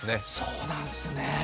そうなんすね。